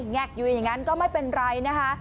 แงกอยู่อย่างนั้นก็ไม่เป็นไรนะคะ